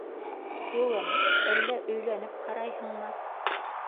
-Улым, әллә өйләнеп ҡарайһыңмы?